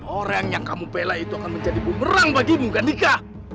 orang yang kamu pelan itu akan menjadi pemerang bagimu ghandika